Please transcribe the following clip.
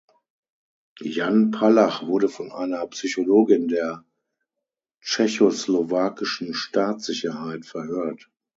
Jan Palach wurde von einer Psychologin der tschechoslowakischen Staatssicherheit verhört.